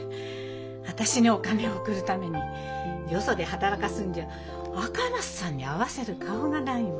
私にお金を送るためによそで働かすんじゃ赤松さんに合わせる顔がないもの。